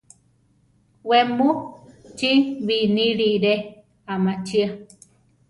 We mu chi binírire amachia.